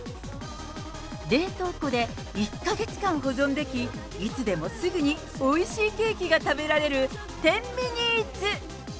冷凍庫で１か月間保存でき、いつでもすぐにおいしいケーキが食べられる１０ミニーツ。